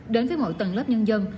đến với mỗi tầng lớp nhân dân